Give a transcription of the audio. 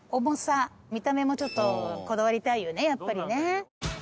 見た目もちょっとこだわりたいよねやっぱりね。